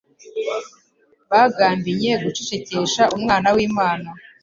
bagambinye gucecekesha Umwana w'Imana.